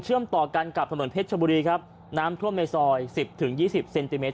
ต่อกันกับถนนเพชรชบุรีครับน้ำท่วมในซอยสิบถึงยี่สิบเซนติเมต